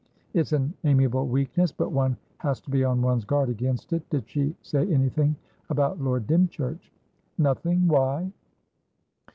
It's an amiable weakness, but one has to be on one's guard against it. Did she say anything about Lord Dymchurch?" "Nothing. Why?"